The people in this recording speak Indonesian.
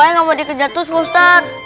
woy gak mau dikejat terus ustadz